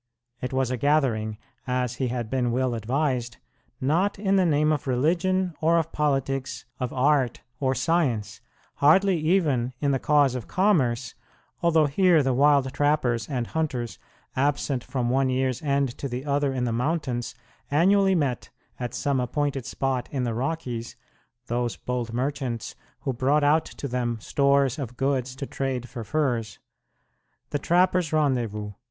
It was a gathering, as he had been well advised, not in the name of religion or of politics, of art or science hardly even in the cause of commerce, although here the wild trappers and hunters, absent from one year's end to the other in the mountains, annually met, at some appointed spot in the Rockies, those bold merchants who brought out to them stores of goods to trade for furs. The trappers' rendezvous!